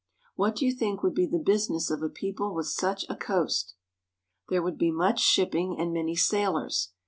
What do you think would be the business of a people with such a coast? There would be much shipping and many sailors.